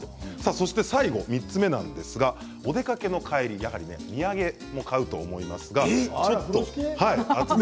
そして最後３つ目なんですがお出かけの帰りお土産を買うと思いますが。